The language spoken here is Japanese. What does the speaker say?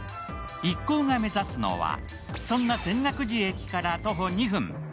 一行が目指すのは、そんな泉岳寺駅から徒歩２分。